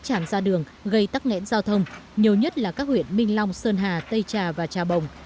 tuy nhiên các tuyến đường gây tắc nghẽn giao thông nhiều nhất là các huyện minh long sơn hà tây trà và trà bồng